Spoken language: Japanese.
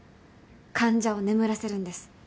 患者を眠らせるんです。